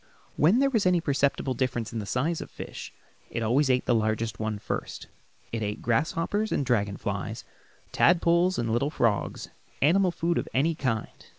When there was any perceptible difference in the size of the fish it always ate the largest one first. It ate grasshoppers and dragon flies, tadpoles, and little frogs animal food of any kind.